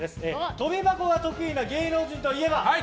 跳び箱が得意な芸能人といえば？